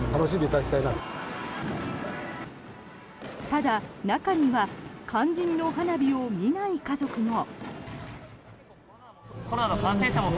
ただ、中には肝心の花火を見ない家族も。